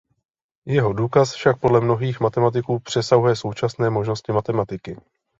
Jeho důkaz však podle mnohých matematiků přesahuje současné možnosti matematiky.